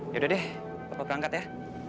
yaudah deh bapak berangkat ya